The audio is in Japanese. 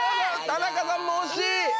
田中さんも惜しい！